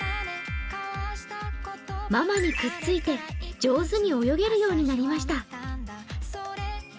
ママにくっついて上手に泳げるようになりました。